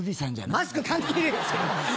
マスク関係ねえ